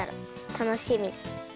たのしみ。